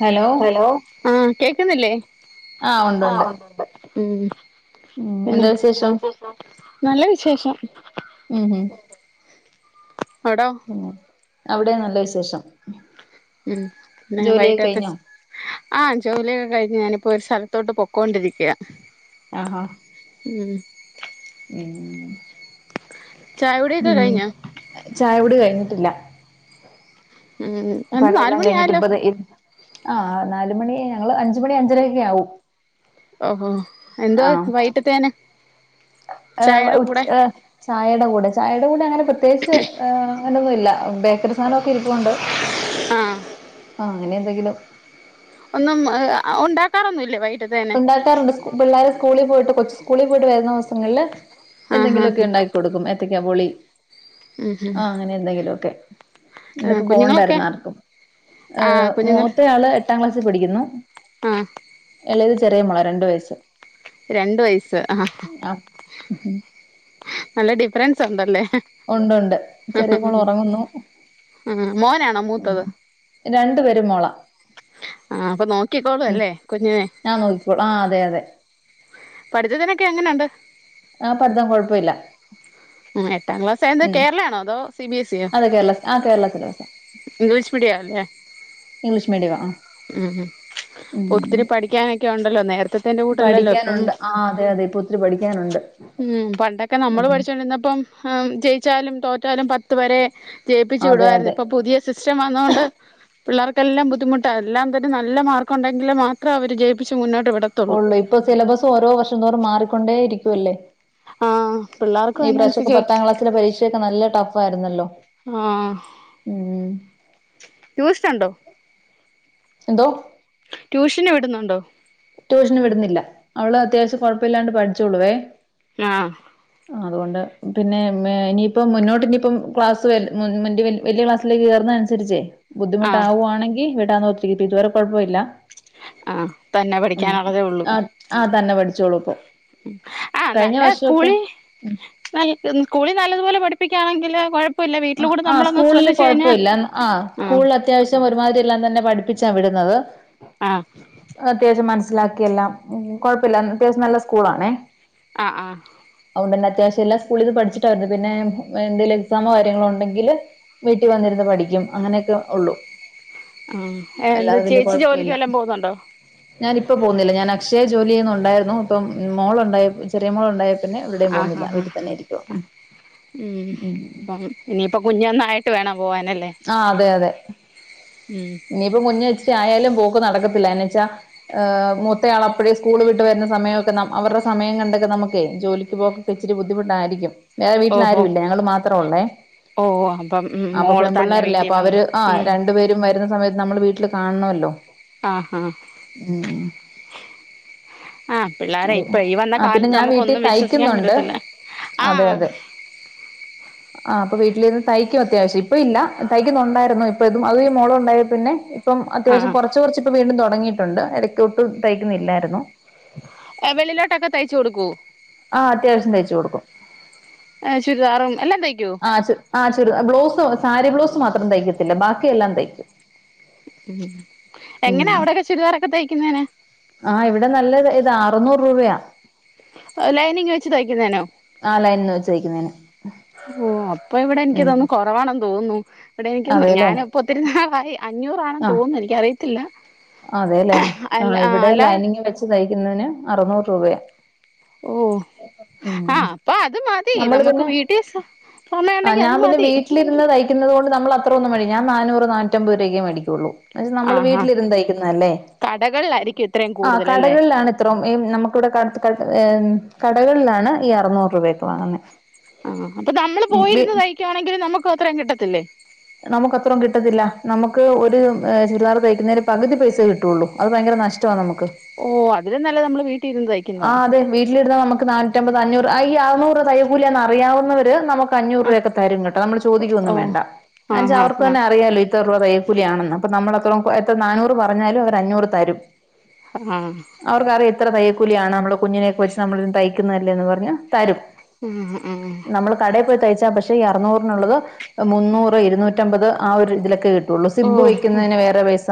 Hello ആ കേക്കുന്നില്ലേ ആഹ് ആ ഉണ്ടുണ്ട് ഒന്ന് ഉണ്ട് ഉം എന്താ വിശേഷം ഉം നല്ല വിശേഷം ഉം ഉം അവിടോ പിന്നെ അവിടെ നല്ല വിശേഷം ഉം ന്നെ ജോലിയൊക്കെ വൈട്ടേത്തെ കഴിഞ്ഞോ ആഹ് ജോലിയൊക്കെ കഴിഞ്ഞ് ഞാനിപ്പോ ഒരു സ്ഥലത്തോട്ട് പൊക്കോണ്ടിരിക്ക ആ ഹാ ഉം ഉം ചായകുടിയൊക്കെ ഉം കഴിഞ്ഞോ ചായ കുടി കഴിഞ്ഞ് ട്ടില്ല ഉം എന്ത് നാല് മണിയായല്ലോ ആ നാലുമണി ഞങ്ങള് അഞ്ചുമണി അഞ്ചരയൊക്കെ ആവും ഓഹോ എന്തോ ആഹ് വൈട്ടത്തേന് ഉച് ചായെടെ കൂടെ ചായെടെ കൂടെ അങ്ങനെ പ്രത്യേകിച്ച് അങ്ങനൊന്നുംല്ല ബേക്കറി സാധനം ഒക്കെ ഇരിപ്പുണ്ട് ആഹ് ആ അങ്ങനെ എന്തെങ്കിലും ഒന്നും ഉണ്ടാക്കാറൊന്നുല്ലേ വൈ ഉണ്ടാക്കാറുണ്ട് സ് പിള്ളേര് സ്കൂളി പോയിട്ട് കൊച്ച് കൂളി പോയിട്ട് വരുന്നൂസങ്ങൾല് ആഹ് എന്തെങ്കിലുവൊക്കെ ആഹ് ഉണ്ടാക്കി കൊടുക്കും എ ത്തക്ക ബോളി ഉം ഉം ആ അങ്ങനെ എന്തെങ്കിലും ഒക്കെ ആഹ് ഇന്നിപ്പോ കുഞ്ഞുങ്ങളൊക്കെ പോകണ്ടായിരുന്ന ആർക്കും ഏ ആഹ് കുഞ്ഞുങ്ങൾ മൂത്ത യാള് എട്ടാം ക്ലാസ്സിൽ പഠിക്കു ന്നു ആഹ് എളേത് ചെറിയ മോള രണ്ട് വയസ്സ് രണ്ട് വയസ്സ് ആ ആഹ് നല്ല ഡിഫറൻസ് ഉണ്ടല്ലേ ഉണ്ട് ഉണ്ട് ചെറിയ മോള് ഒറങ്ങുന്നു ആ മോനാണോ ഉം മൂത്തത് രണ്ടു പേര് മോള ആ അപ്പൊ നോക്കിക്കോളൂ ഉം അല്ലേ കുഞ്ഞിനെ ആ നോക്കിക്കോള ആ അതെ അതെ പഠിത്തത്തിനൊക്കെ എങ്ങനെണ്ട് ഇല്ല ആ എട്ടാം ക്ലാസ് ആയത് കേരള ആണോ അതോ സി ബി എസ് ഇ യോ അതെ കേരള ആഹ് കേരള സിലബസാ ഇംഗ്ലീഷ് മീഡിയാ ആല്ലേ ഇംഗ്ലീഷ് മീഡിയമാ ആഹ് ഉം ഹും ഉം ഒത്തിരി പഠിക്കാനൊക്കെ ഉണ്ടല്ലോ നേരത്തെത്തെ ന്റെ കൂട്ടല്ലല്ലോ ഇപ്പം പഠിക്കാനുണ്ട്. ആഹ് അതെ അതെ ഇപ്പൊ ഒത്തിരി പഠിക്കാനുണ്ട്. ഉം പണ്ടൊക്കെ നമ്മള് ഉം പഠിച്ചോണ്ടിരുന്നപ്പം ആ ജയിച്ചാലും തോറ്റാലും പത്ത് വരെ ജയിപ്പിച്ചു അതെ വിടുവായിരുന്നു അതെ ഇപ്പൊ പുതിയ സിസ്റ്റം വന്നൊണ്ട് പിള്ളാർക്കെല്ലാം ബുദ്ധിമു ട്ട എല്ലാം പിന്നെ നല്ല മാർക്കുണ്ടെങ്കിൽ മാത്രം അവർ ജയിപ്പിച്ച് മുന്നോ ഉള്ളൂ ഇപ്പ സിലബസ് ഓരോ വർഷം തോറും മാറിക്കൊണ്ടേ ഇരി ക്കുവല്ലേ ആ പിള്ളേർക്കും ഈ പ്രാവശ്യക്കെ അതിനനുസരിച്ച് പത്താം ക്ലാസ്സിലെ പരീക്ഷയൊക്കെ നല്ല ടഫ് ആയിരുന്നല്ലോ ആ ഉം ട്യൂഷനുണ്ടോ എന്തോ ട്യൂഷൻ വിടുന്നുണ്ടോ ട്യൂഷന് വിടുന്നില്ല അവള് അത്യാവശ്യം കുഴപ്പമില്ലാണ്ട് പഠിച്ചോളുവേ ആഹ് ആ അതുകൊണ്ട് പിന്നെ ഇനിയിപ്പ മുന്നോട്ട് ഇനിയിപ്പം ക്ലാസ്സ് വല്യ വലിയ ക്ലാസ്സിലേക്ക് കയറുന്ന അനുസരിച്ചേ ആഹ് ബുദ്ധിമുട്ടാവുകവാണെങ്കി [unintelligible] ഇതുവരെ കുഴപ്പമില്ല ആഹ് തന്നെ ഉം പഠിക്കാനുള്ളതേ ഉള്ളു ആഹ് ആഹ് തന്നെ പഠിച്ചോളൂ ഇപ്പൊ ആ കഴിഞ്ഞ നല്ല സ്കൂളി വർഷൊക്കെ ന സ്കൂളിൽ നല്ലതുപലെ പഠിപ്പിക്കുകയാണെങ്കില് കൊഴ ആ ആ സ്കൂളില് കൊഴപ്പമില്ല ആ ആഹ് സ്കൂളിൽ അത്യാവശ്യം ഒരുമാതിരി എല്ലാം തന്നെ പഠിപ്പിച്ച ച്ചാ വിടുന്നത് ആഹ് അത്യാവശ്യം മനസ മനസ്സിലാക്കിയെല്ലാം കുഴപ്പമില്ല അത്യാവശ്യം നല്ല സ്കൂളണേ ആ ആ അതു കൊണ്ട് തന്നെ ത്യാവശ്യം എല്ലാം സ്കൂളീന്ന് പഠിച്ചിട്ടാ വരുന്നെ പിന്ന എന്തെലും എക്സാമോ കാര്യ യണ്ടെങ്കിൽ വീട്ടിൽ വന്നിരുന്ന് പഠിക്കും അങ്ങനെയൊക്കെ ഉള്ളു ആ എന്താ ചേച്ചി ജോലിക്ക് വല്ലോം പോന്നുണ്ടോ ഞാനിപ്പ പോന്നില്ല ഞാൻ അക്ഷയെ ജോലി ചെയ്യുന്നുണ്ടായിരുന്നു ഇപ്പം മോളുണ്ടായി ചെറിയ മോളുണ്ടായി പിന്നെ എവിടെയും ആഹ് പോന്നില്ല ആഹ് വീട്ടിൽ ആഹ് തന്നെ ഇരിക്കും ഇനിയിപ്പം കുഞ്ഞൊന്നായിട്ട് വേണം പോവാനല്ലേ ആ അതെ അതെ ഉം ഇനിയിപ്പോ കുഞ്ഞിച്ചിരി ആയാലും പോ നടക്കത്തില്ല എന്നെച്ചാ മൂത്തയാൾ അപ്പഴേ സ്കൂള് വിട്ട് വരുന്ന സമയമൊക്കെ അവരുടെ സമയം കണ്ടൊക്കെ നമുക്കേ ജോലിക്ക് പോകൊക്കെ ഇച്ചിരി ബുദ്ധിമുട്ടായിരിക്കും വേറെ വീട്ടിൽ ഓഹോ ആരും ഇല്ല ഞങ്ങൾ മാത്രം ഉള്ളേ ഓഹ് അപ്പം അപ്പൊ മോള് തന്നെ പിള്ളേരല്ലേ വീട്ടിൽ അപ്പൊ വന്ന് അവര് ആ ഉം രണ്ടുപേരും വരുന്ന സമയത്ത് നമ്മ നമ്മൾ വീട്ടിൽ കാണണമല്ലോ ആഹ് ആഹ് ആഹ് പിള്ളേരെ ഇപ്പൊ ഈ വന്ന ആഹ് പിന്നെ കാലത്ത് ഞാൻ വീട്ടിൽ നമുക്കൊന്നും വിശ്വസിക്കാൻ തയ്ക്കുന്നുണ്ട് പറ്റത്തില്ല അതെ ആഹ് അതെ ആഹ് അപ്പ വീട്ടിൽ ഇരുന്ന് തയ്ക്കും അത്യാവശ്യം ഇപ്പ ഇല്ല തയ്ക്കുന്നുണ്ടായിരുന്നു ഇപ്പ ഇതും [unintelligible] മോളും ഉണ്ടായെ പിന്നെ ഇ ഇപ്പം അത്യാവശ്യം ആഹ് കൊറച്ച് കൊറച്ച് ഇപ്പം വീണ്ടും തൊടങ്ങീട്ട് ട്ടൊണ്ട് ഇടക്ക് ഒട്ടും തയ്ക്കുന്നില്ലായിരുന്നു ഏഹ് വെളിലോട്ടൊക്കെ തയ്ച്ചു കൊടുക്കുവോ ആ അത്യാവശ്യം തയ്ച്ചു കൊടുക്കും ചുരിദാറും എല്ലാം തയ്ക്കോ ആ ചു ആ ചുരിദാർ ബ്ലൗസു സാരി ബ്ലൗസ് മാത്രം തയ്ക്കത്തില്ല ബാക്കിയെല്ലാം തയ്ക്കും എങ്ങനെ അവിടെക്കെ ചുരിദാറൊക്കെ തയ്ക്കുന്നേന് ഇവിടെ നല്ല ആ അറുന്നൂറ് രൂപയാ ലൈനിങ് വെച്ച് തയ്ക്കുന്നേനോ ആ ലൈനിന്ന് വെച്ച് തയ്ക്കുന്നതിന് ഓ അപ് അപ്പ ഇവിടെ എനിക്ക് ഉം തോനുന്നു കുറവാണ തോനുന്നു ഇവിടെ എനിക്ക് അതേല്ലേ ഞാനിപ്പോ ഒത്തിരിനാളായി അഞ്ഞൂ അഞ്ഞൂറാണെന്ന് തോനുന്നു എനിക്കറിയത് ത്തില്ല അതെ ല്ലെ ആ ഇവിടെ ലൈനിങ് വെച്ച് തയ്ക്കുന്നതിന് അറുനൂറ് രൂപയാ ഓ ഉം ആഹ് അപ്പൊ അത് മതി നമ്മള് നമുക്ക് പിന്നെ വീട്ടിൽ സമയം ആ ഉണ്ടെങ്കി ഞാൻ അത് പിന്നെ മതി വീട്ടിലിരുന്ന് തയ്ക്കുന്നത് കൊണ്ട് നമ്മൾ അത്ര ഒന്നും മേടിക്ക ഞാൻ നാനൂറ് നാനൂറ്റമ്പത് രൂപയൊക്കെയെ മേടിക്കോള്ളൂ ന്ന് വെച്ചാ നമ്മള് ആഹാ വീട്ടിലിരുന്ന് തൈക് ന്നല്ലേ കടകളിലായിരിക്കും ഇത്രയും ആ കൂടുതലല്ലേ കടകളിലാണ് ഇത്രോം ഈ നമുക്കിവിടെ കട കട് ഏം കടകളിലാണ് ഈ അറുന്നൂറ് രൂപയൊക്കെ വാങ്ങുന്നത് ആ അപ്പൊ നമ്മള് പോയിരുന്ന് തയിക്കുവാണെങ്കിൽ നമുക്ക് അത്രേം കിട്ടത്തില്ലേ നമുക്ക് അത്രേം കിട്ടത്തില്ല നമുക്ക് ഒരു ചുരിദാർ തയിക്കുന്നേല് പകുതി പൈസ കിട്ടുള്ളൂ അത് ഭയങ്കര നഷ്ടമാ നമുക്ക് ഓ അതിലും നല്ലത് നമ്മള് വീട്ട് ആഹ് അതെ വീട്ടിലിരുന്നാ നമുക്ക് നാനൂറ്റമ്പത് അഞ്ഞൂറ് അ ഈ അറുന്നൂറ് തൈയ്യ കൂലിയാന്ന് അറിയാവുന്നവര് നമുക്ക് പ്പോ അഞ്ഞൂറ് ആഹ് രൂപയൊക്കെ തരും കേട്ടോ നമ്മൾ ചോദിക്കുവൊന്നും ഓഹ് വേണ്ട ആന്താച്ച ആഹ് അവർക്ക് ആഹ് തന്നെ അിയാലോ ഇത്ര രൂപ തൈയ്യക്കൂലിയാണെന്ന് അപ്പൊ നമ്മള എത്രോള എത്ര നന്നൂറ് പറഞ്ഞാലും അവര് അഞ്ഞൂറ് തരും ആഹ് അവർക്ക്റ എത്ര തയ ിയാണ് നമ്മ കുഞ്ഞിനൊക്കെച്ച് നമ്മള ത ന്ന്ഞ്ഞ തരും ആഹ് ആഹ് ആഹ് നമ്മൾ കടയിൽ പോയി തയ്ച്ച പക്ഷ പക്ഷേ ഈ അറുന്നൂറിള്ളത് മുന്നൂറ് ഇരുന്നൂറ്റമ്പത് ആ ഒരു ഇതിലൊക്കെ കിട്ട പുള്ളൂ സിബ് ഓഹ് വെക്കുന്നതിന് വേറെ പൈസ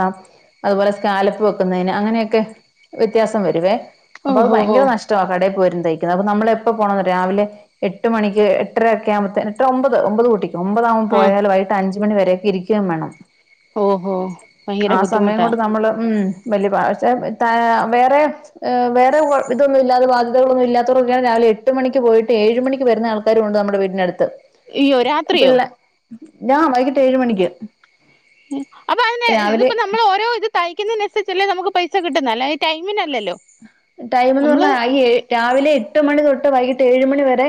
അതുപോലെ സ്കാലപ്പ് വെക്കുന്നതിന് അങ്ങനെയൊക്കെ വ്യത്യാസം വരുവേ അപ്പൊ അത് ഓഹോ ഹോ ഭയങ്കരഷ്ടമാണ് കടയിൽ പോയിണ്ട് അ നമ്മള എപ്പോ പോണം രാവിലെ എട്ട് മണിക്ക് എട്ടര ഒക്കെ ആകുമ്പ എട്ട ഒമ്പത് ഒമ്പത് കൂട്ട ഒമ്പതാവക ആഹ് പോയാൽ വട്ട് അഞ്ച് അഞ് മണി വരെയക്കെ ഇരിക്കുകയും വേണം ഓഹോ ഭയങ്കര ആ സമയം ബുദ്ധിമുട്ടാ കൊണ്ട് നമ്മള് ഉം വലിയഷെ വേറെ വേറെ ഇതൊന്ന ഇല്ലാ ബാധ്യകളൊന്ന ഇല്ലാത്തവൊെയ രിലെ എട്ട് മണി പോയി്ഏഴ മണിക്ക് വരുന്ന ആൾക്കരുണ്ട് നമ്മുടെ വീടിനടുത്ത് അയ്യോ രാത്രിയോ പിള്ളെ ഞാൻ വൈ ഏഴ് മണിക്ക് അപ്പൊ അതിനെ രാവിലെ ഇതിപ്പോ നമ്മൾ ഓരോ ഇത് തയ്ക്കുന്നതിനനുസരിച്ചല്ലേ നമുക്ക് പൈസ കിട്ടുന്നെ അല്ലാതെ ടൈമിനല്ലല്ലോ ടൈമന്ന് നമ്മള് പറഞ്ഞ [unintelligible] രാവിലെ എട്ട് മണി തൊ [unintelligible] വൈകിട്ട് ഏഴ് മണിവരെ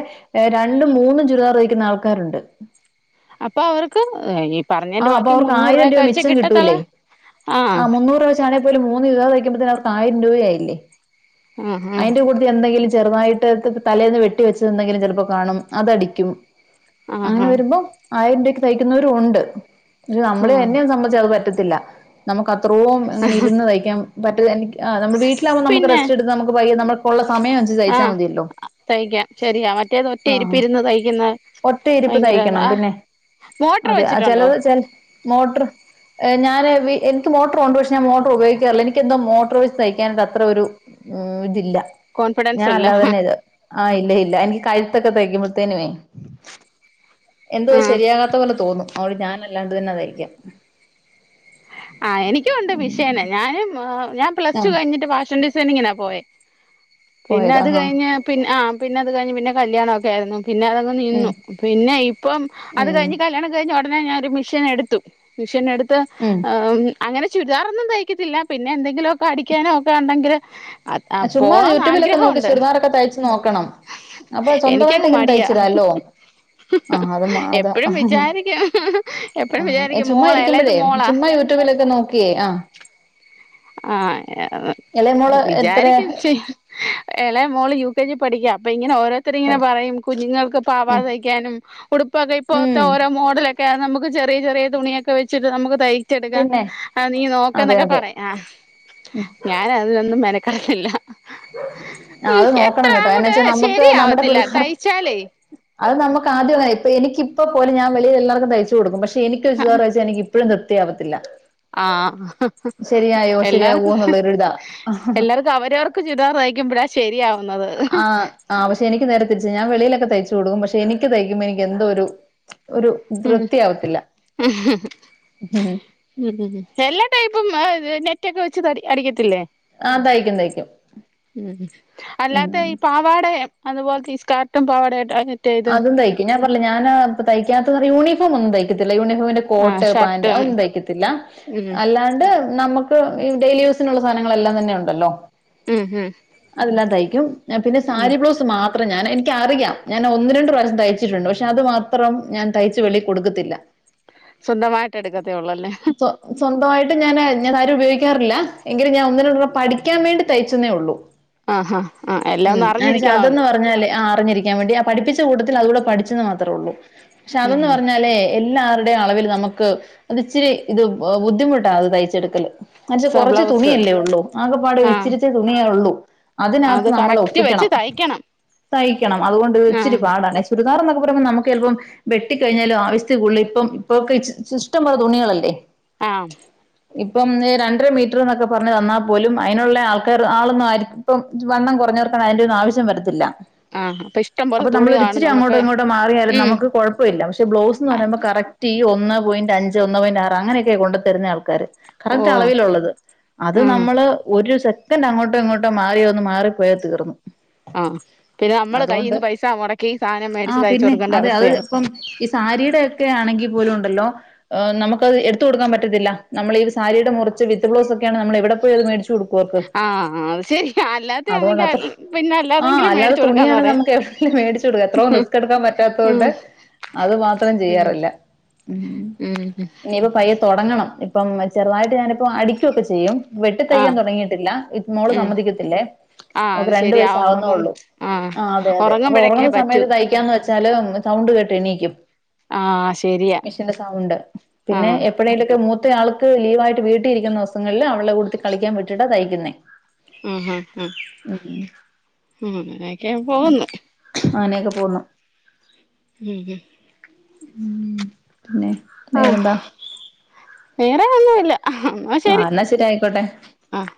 രണ്ടും മൂന്നും ചുരിദാർ തയ്ക്കുന്ന ആൾക്കാര് ഒണ്ട് ഇപ്പ അവർക്ക് [unintelligible] ആ ബാക്കി അപ്പോവർക്ക് മുന്നൂറ് രൂപയൊക്കെ ആയിരംരൂപ വെച്ചേ മിച്ചം കിട്ടത്തുള്ളൂ കിട്ടൂല്ലേ ആഹ് ആ മുന്നൂറ് രൂപ വെച്ചാണേപോലും മൂന്ന് ചുരിദാർ തയ്ക്കുമ്പത്തേന് അവർക്ക് ആയിരം രൂപയായില്ലേ ആഹ് അയിന്റ കൂട്ടത്തിൽ എന്തെങ്കിലും ചെറുതായിട്ട് [unintelligible] തലേന്ന് വെട്ടി വെച്ചിരിന്നെന്തെങ്കിലും ചെലപ്പോ കാണും അതടിക്കും ആഹ് അങ്ങനെ ആഹ് വരുമ്പോ ആയിരം രൂ തയ്ക്കുന്നവരും ഒണ്ട് [unintelligible] നമ്മളെ ആഹ് എന്നെയത് സംബധിച്ചത് അത് പറ്റത് [unintelligible] നമുക്ക് അ ത്രോം അങ്ങനെ ഇരുന്ന് തയ്ക്കാൻ പറ്റില്ല എനിക്ക് ആ നമ്മള് വീട്ടിലാവുമ്പ നമ്മക്ക് പിന്നെ റസ്റ്റ്‌ എടുക്കാം നമ്മ [unintelligible] നമ്മക്കൊള്ള സ് സമയം അനുസരിച്ച് തയ്ച്ചാ ആഹ് മതിയല്ലോ തയ്ക്കാം ശരിയാ മറ്റേത് ഒറ്റ ആഹ് ഇരിപ്പിരുന്ന് തയ്ക്കുന്ന ഒറ്റ ഇരിപ്പ് ഭയങ്കര ഇതാ തയ്ക്കണം ആഹ് പിന്നെ മോട്ടർ അതെ വെച്ചിട്ടുണ്ടോ ചെലത് ചെല മോട്ടറ് ഹ് ഞാന് വി എനിക്ക് മോട്ടറ് ഒണ്ട് പക്ഷെ ഞാൻ മോട്ടറ് ഉപയോഗിക്കാറില്ല എനിക്ക് എന്തോ മോട്ടറ് വെച്ച് തയ്ക്കാൻ ത അത്ര ഒരു ഉം ഇതില്ല ഞാൻ കോൺഫിഡൻസ് ഇല്ല അല്ലാതെ തന്നെ ഇത് ആഹ് ഇല്ല ഇല്ല എനിക്ക് കഴ്ത്ത് ക്ക സയ്ക്കുമ്പോത്തേനുവേ എന്തോ ആഹ് ശെരിയാകാത്ത പോലെ തോന്നും അവിടെ ഞാൻ അല്ലാണ്ട് തന്നെ തയ്ക്കാം ആ എനിക്കും ഒണ്ട് മിഷ്യന് ഞാനും ആ ഞാൻ പ്ലസ്ടു ആഹ് കഴിഞ്ഞിട്ട് ഫാഷൻ ഡി ഡിസൈനിങ്ങിന പോയെ പിന്ന പോയതാ അത് ആഹ് കഴിഞ്ഞ് പിന്ന ആ പിന്നത് കഴിഞ്ഞ് പിന്ന കല്യാണം ഒക്കെയാരുന്നു പിന്ന അതങ്ങ് ഉം നിന്നു പിന്ന ഇപ്പം അത് ഉം കഴിഞ്ഞ് കല്യാണം കഴിഞ്ഞ് ഒ [unintelligible] ഞാൻ ഒരു മിഷ്യൻ എടുത്തു മിഷ്യൻ എടുത്തു ത്ത് ഉം അങ്ങനെ ചുരിദാറൊന്നും തയ്ക്കത്തില്ല പിന്നെ എന്തെങ്കിലൊക്ക അടിക്കാനോ ഒക്ക ഒണ്ടെങ്കില് ആ ചുമ് യൂ്യൂബിലൊക്കെ നോി ചുനാറക്ക തച്ചു നോണം അപ്പൊ സ്വന്തമായിട്ട എനിക്കങ്ങ് ഇങ്ങനും മടിയാ തയ്ച്ചരാല്ലോ ആ അത് എപ്പഴും വിചാരിക്കും എപ്പഴും വിചാരിക്കും ചുമ് മോള എളയത് ഇരിക്കുമ്പോഴേ മോളാ ചുമ്മാ യൂട്യൂബിലൊക്കെ നോ ഓക്കേ ആ ആഹ വിചാ എത്ര ചെയ ഇള മോള യു കെ ജി പഠിക്ക അപ്പ ഇങ്ങനെ ഓരോരു ഇങ്ങെ പഠി പറയും കുഞ്ഞുങ്ങൾക്ക് ഉം പാവാാതയ്ക്കാനും ഉടു ഇപ്പൊ ഇപ്പോത്തെ ഉം ഓരോ മോഡലൊക്കെ നമക്ക് ചെറിയ ചെറിയ തുണിയൊക്കെവച്ചട്ട് നമുക്ക് തയിച്ചെടുക്ക പിന്നെ അ നീ നോക്ക അതെ എന്നൊക്കെ അതെ പറയാം. ഹ ഞാനതിനോ മനക്കാറില്ല ആ അത് നോക്കണം കേട്ടോ എന്ന അങ്ങോട്ട് വെച്ചാ നമ്മുക്ക് നമ്മുടെ ശരിയാവത്തില്ല പിള്ളർ തയ്ച്ചാലേ അത് നമുക്ക്‌ ആദ്യം ആയ ഇപ്പൊ എനിക്കിപ്പോ പോല ഞാൻ വെളിയി എല്ലാവർക്കും തയ്ച്ചു കൊടുക്കും പ ക്ഷേ എനിക്കു ഒരുസുരച്ച ഇപ്പോഴും നൃത്തിയാവത്തില്ല ആഹ ശരിയാവോ എല്ലാവർക്കും എന്നുള്ളൊരിതാ എല്ലാവർക്കും അവരവർക്ക് ചുടാർ നയിക്കുമ്പോഴാ ശരിയാവ ആ ആ പക്ഷെ എനിക്ക് നേരത്തെ തിരിച്ച് ഞാൻ വെളിയിലൊക്കെ തയ്ച്ചു കൊടും, പക്ഷെ എനിക്ക് തയ്ക്കുമ്പോ എനിക്ക് എന്തോ ഒരു ഒരു ഉ തൃപ്തിയാവത്തില്ല മ്മ്ഹ് എല്ലാ ടൈപ്പും ത് നെറ്റൊക്കെ വെച്ച് അടിക്കത്തില്ലേ ആ തയ്ക്കും തയ്ക്കും ഉ അല്ലാത്ത ഉം ഈ പാവാടെ അതുപോലെ സ്കാർട്ടും പാവാടാ അതും തയ്ക്കും ഞാൻ പറില്ല ഞാൻ തയ്ക്കാത്ത യൂണ ഫോമൊന്നും തൈകത യൂണിഫോമിന്റെ ആ കോട്ട് പാന്റ് ഷർട്ടും അതൊന്നും തയ്ക്കത്തില്ല ഉം അല്ലാണ്ട് നമുക്ക് ഈ ഡെയിലി യൂസിനുള്ള സാധനങ്ങളെല്ലാം തന്നെ ഉണ്ടല്ലോ ഉം മ് എല്ല തയ്ക്കും. ആ പിന്നൊരി സാരീബ്ലൗസ് മാത്രം ഞാൻ എനിക്കറിയാം ഞാൻ ഒന്ന രണ്ട് പ്രാവശ്യം തയ്ച്ചിട്ടുണ്ട്. പക്ഷെ അത് മാത്രം ഞാൻ തയ്ച്ച് വെളി കൊടുക്കത്തില്ല. സ്വന്തമായിട്ട് എടുക്കത്തേ ഉള്ളല്ലേ സ്വ സ്വന്തമായിട്ട് ഞാന് ഞാൻ ആരും ഉപയോഗിക്കാറില്ല, എങ്കിലും ഞാൻ ഒന്നിനോടെ പഠിക്കാൻ വേണ്ടി തയ്ച്ചെന്നേ ഉള്ളൂ ആ ഹ ആ എല്ലാം ഒന്ന് അറിഞ്ഞിരിക്കണല്ലോ. പറഞ്ഞിരിക്കാൻ വേണ്ടി ആ പഠിപ്പിച്ച കൂട്ടത്തിൽ അതൂടെ പഠിച്ചെന്ന് മാത്രേ ഉള്ളൂ. പക്ഷെ അതന്ന് ഉം പറഞ്ഞാലേ എല്ലാവരുടെയും അളവിൽ നമുക്ക് അത് ഇച്ചിരി ഇത് ബുദ്ധിമുട്ടാണ് അത് തയ്ച്ചെടുക്കല് മനച്ച സ കുറച്ച് ബ്ലൗസ് തുണിയല്ലേ ഉള്ളൂ ആകപ്പാട് ആ ഇച്ചിരിച്ച തുണിയേ ഉള്ളൂ. അത് അതിനകത്ത് നമ്മൾ കറക്റ്റ് വെച്ച് ഒപ്പിക്കണം. തയ്ക്കണം തയ്യ് ക്കണം അതുകൊണ്ട് ഒരു ആ ഇച്ചിരി പാടാണ് ചുരിദാർന്നൊക്കെ പറയുംമ്പോ നമുക്ക് ചെലപ്പം വെട്ടിക്കഴിഞ്ഞാലും ആവശ്യത്തിക്കുടുതൽ ഇപ്പം ഇപ്പൊക്കെ ഇഷ്ടം പോല തുണികളല്ലേ ആ ഇപ്പം രണ്ടര മീറ്റർ എന്നൊക്കെ പറഞ്ഞ് തന്നാൽ പോലും അതിനുള്ള ആൾക്കാർ ആളൊന്നും ആയിരിക്കും ഇപ്പം വണ്ണം കുറഞ്ഞവർക്ക് അതിന്റെറ ഒന്നും ആവശ്യം വരത്തില്ല ആ അപ്പൊ ഇഷ്ടം പോലെ അപ്പൊ തുണി നമ്മളൊരിച്ചിരി കാണും അങ്ങോട്ടും നമുക്ക് ഇങ്ങോട്ടോ മാറിയാലും ഉം നമുക്ക് കുഴപ്പവില്ല പക്ഷെ ബ്ലൗസ് എന്ന് പറയുമ്പോ കറക്റ്റ് ഈ ഒന്ന് പോയിന്റ് അഞ്ച് ഒന്ന് പോയിന്റ് ആറ് അങ്ങനൊക്കെയാ കൊണ്ടു തരുന്ന ആൾക്കാര് കറക്റ്റ് ഓ അളവിലുള്ളത് അത് ഉം നമ്മള് ഒരു പിന്നെങ്ങട്ടും ഇങ്ങട്ടും മാറി വന്ന് മാറി പോയതീർന്ന് ആഹ് പിന്നെ നമ്മള് അതൊണ്ട് കയ്യിന്ന് പൈസ മുടക്കി സാധനം ആ മേടിച്ച് തയ്ച്ചു പിന്നെ കൊടുക്കേണ്ട അതെ അത് അവസ്ഥയാ ഇപ്പം ഈ സാരിയുടെ ഒക്കെ ആണെങ്കിൽ പോല ഉണ്ടല്ലോ നമുക്ക് അത് എടുത്ത് കൊടുക്കാൻ പറ്റത്തില്ല നമ്മള് ഈ സാരിയുടെ മുറിച്ച് വിത്ത് ബ്ലൗസ് ഒക്കെയാണ് നമ്മൾ എവിടെപോയി അത് മേടി ആ അത് ശ അതുകൊണ്ട്ത്ര ആ അല്ലാതെങ്കിലും അല്ലാതെ മേടിച്ചു കൊടുക്കാന്ന് തുണിയണെങ്ക പറയാം നമുക്ക് എവിടെങ്കിലും മേടിച്ചു കൊടുക്ക എത്രയും റിസ്ക് എടുക്കാൻ പറ്റാത്ത കൊണ്ട് ഉം അത് മാത്രം ചെയ്യാറില്ല ഉം ഉം ഇനിയിപ്പ പയ്യ തുടങ്ങണം ഇപ്പം ചെറുതായിട്ട് ഞാനിപ്പ അടിക്കൊക്കെ ചെയ്യും വെട്ടി തയ്യ്ക്കാൻ ആഹ് തുടങ്ങയിട്ടില്ല ഇ മോള് ഉം സമ്മതി ആഹ് അത് രണ്ട് ശരിയാ വയസ്സ് ഉറങ്ങും ആവുന്നള്ളൂ ആഹ് ആ അതെ അതെ അപ്പ ഉറങ്ങുമ്പോഴൊക്കെ ഉറങ്ങുന്ന പറ്റൂ സമയത്ത് തയ്ക്കാന്ന് വെച്ചാല് സൗണ്ട് കേട്ട് എണീക്കും ആഹ് ശരിയാ മെഷീന്റെ സൗണ്ട് പിന്നെ ആഹ് എപ്പഴേലൊക്കെ മൂത്ത ആൾക്ക് ലീവായിട്ട് വീട്ടിൽ ഇരിക്കുന്ന ദിവസങ്ങളില് അവളെ കൂട്ടത്തികളിക്കാൻ വിട്ടിട്ടാണ് തയ്ക്കുന്നേ ആ ഹ ഹ ഉം അങ്ങനെക്കെ പോകുന്ന് അങ്ങനെയൊക്കെ പോന്നു ഉം പിന്നെ ആഹ് വേറെന്താ വേറെ ഒന്നുവില്ല ആ എന്നാ ശരി ആയിക്കോട്ടെ ആഹ്